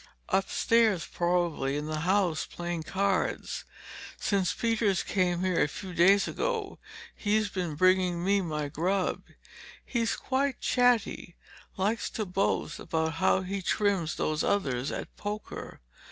"Upstairs, probably—in the house—playing cards. Since Peters came here a few days ago he's been bringing me my grub. He's quite chatty; likes to boast about how he trims those others at poker."